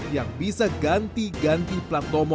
yang bisa ganti ganti plat nomor